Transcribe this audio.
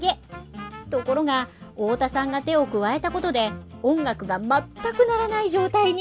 ところが太田さんが手を加えたことで音楽が全く鳴らない状態に。